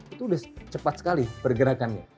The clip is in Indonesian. itu sudah cepat sekali pergerakannya